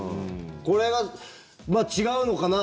これは違うのかな。